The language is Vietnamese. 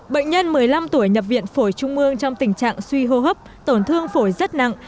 bệnh nhân một mươi năm tuổi nhập viện phổi trung mương trong tình trạng suy hô hấp tổn thương phổi rất nặng